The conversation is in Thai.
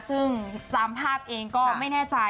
ซึ่งตามภาพเองก็ไม่แน่ใจ